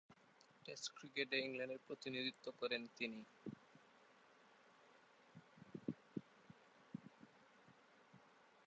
Test ক্রিকেটে ইংল্যান্ডের প্রতিনিধিত্ব করেন তিনি।